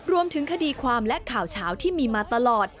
รวมถึงคดีความและข่าวเฉาที่มีมาตลอด